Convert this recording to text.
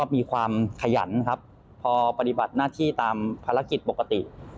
ไม่ว่าสมมติ